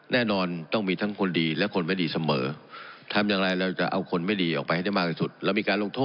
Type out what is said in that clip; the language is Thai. แน่นอนต้องมีทั้งคนดีและคนไม่ดีเสมอ